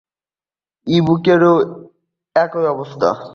ই-বুকেরও একই অবস্থা।